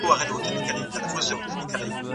ځواني چي تېره سي بیا نه راګرځي.